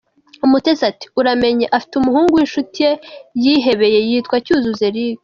Umutesi ati “ Uramenye afite umuhungu w’inshuti ye yihebeye , yitwa Cyuzuzo Erike.